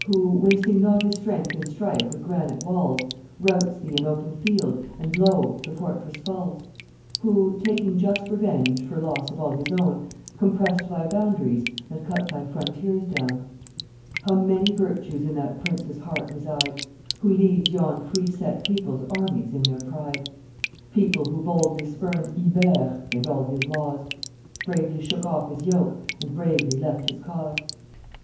Who, wasting not his strength in strife with granite walls, Routs thee in open field, and lo! the fortress falls? Who, taking just revenge for loss of all his own, Compressed thy boundaries, and cut thy frontiers down. How many virtues in that prince's heart reside Who leads yon free set people's armies in their pride, People who boldly spurned Ibere and all his laws, Bravely shook off his yoke and bravely left his cause?